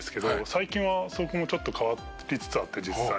最近はそこもちょっと変わりつつあって実際。